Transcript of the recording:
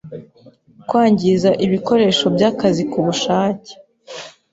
Kwangiza ibikoresho by’akazi ku bushake.